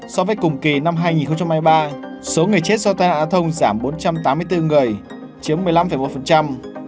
so với cùng kỳ năm hai nghìn hai mươi ba số người chết do tai nạn thông giảm bốn trăm tám mươi bốn người chiếm một mươi năm một